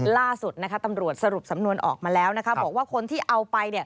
ล่าสุดตำรวจสรุปสำนวนออกมาแล้วบอกว่าคนที่เอาไป